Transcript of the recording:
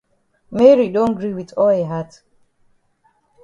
Mary don gree wit all yi heart.